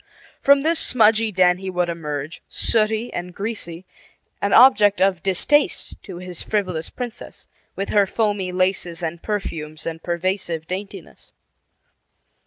From this smudgy den he would emerge, sooty and greasy, an object of distaste to his frivolous princess, with her foamy laces and perfumes and pervasive daintiness.